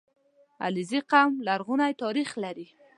• علیزي قوم لرغونی تاریخ لري.